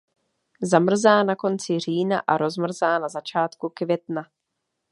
Zamrzá na konci října a rozmrzá na začátku května.